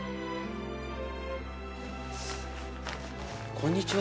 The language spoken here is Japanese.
こんにちは。